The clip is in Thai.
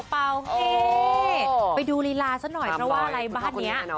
โอเคไปดูฤลานะครับบ้านนี้